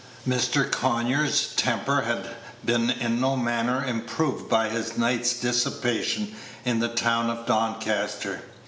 Mr. Conyers' temper had been in no manner improved by his night's dissipation in the town of Doncaster.